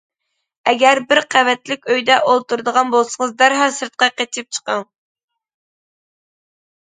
ئەگەر بىر قەۋەتلىك ئۆيدە ئولتۇرىدىغان بولسىڭىز، دەرھال سىرتقا قېچىپ چىقىڭ.